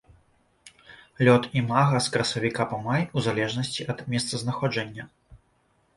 Лёт імага з красавіка па май у залежнасці ад месцазнаходжання.